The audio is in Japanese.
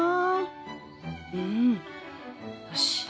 うんよし！